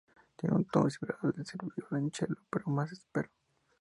Tiene un tono similar al del violonchelo, pero más áspero.